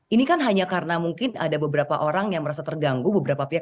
ini kan hanya karena mungkin ada beberapa orang yang merasa terganggu beberapa pihak